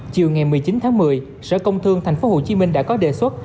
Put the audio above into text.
chiều ngày một mươi chín tháng một mươi sở công thương tp hcm đã có đề xuất